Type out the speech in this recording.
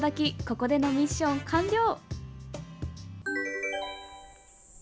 ここでのミッション完了！